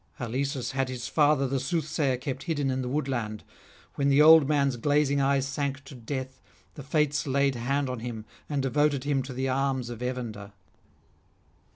Halesus had his father the soothsayer kept hidden in the woodland: when the old man's glazing eyes sank to death, the Fates laid hand on him and devoted him to the arms of Evander.